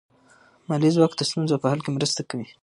مالي ځواک د ستونزو په حل کې مرسته کوي.